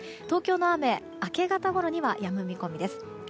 東京の雨明け方ごろにはやむ見込みです。